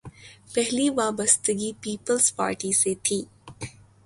پہلی وابستگی Peoples Party سے تھی۔